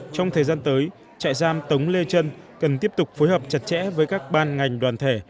trong thời gian tới trại giam tống lê trân cần tiếp tục phối hợp chặt chẽ với các ban ngành đoàn thể